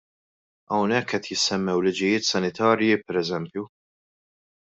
Hawnhekk qed jissemmew liġijiet sanitarji pereżempju.